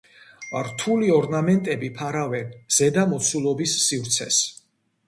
რთული ორნამენტები ფარავენ ზედა მოცულობის სივრცეს.